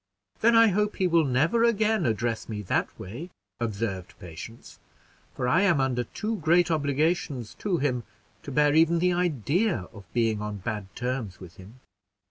"Then I hope he will never again address me that way," observed Patience, "for I am under too great obligations to him to bear even the idea of being on bad terms with him."